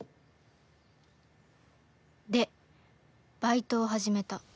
でバイトを始めた